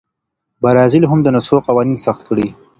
برازیل هم د نسخو قوانین سخت کړي.